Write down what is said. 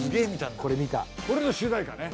これの主題歌ね。